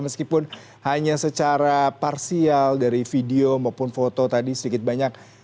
meskipun hanya secara parsial dari video maupun foto tadi sedikit banyak